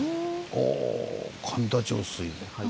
お神田上水。